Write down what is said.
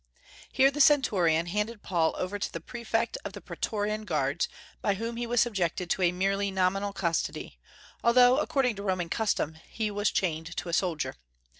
Here the centurion handed Paul over to the prefect of the praetorian guards, by whom he was subjected to a merely nominal custody, although, according to Roman custom, he was chained to a soldier.